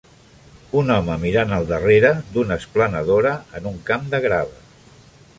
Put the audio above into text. Un home mirant al darrere d'una esplanadora en un camp de grava.